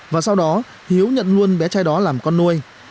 và sau đó hiếu nhận luôn bé trai đó làm con nuôi